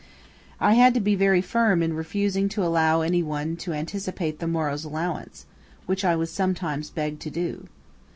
I had to be very firm in refusing to allow any one to anticipate the morrow's allowance, which I was sometimes begged to do.